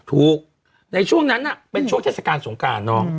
ถูกในช่วงนั้นน่ะเป็นช่วงเจษฐกาลสงการน้อง